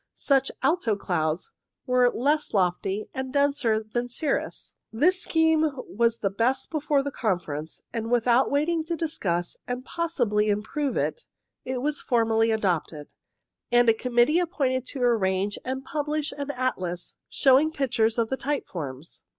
Such alto clouds were less lofty and denser than cirrus. This scheme was the best before the Con ference, and without waiting to discuss, and possibly improve it, it was formally adopted, and a committee appointed to arrange and publish an atlas showing pictures of the type forms.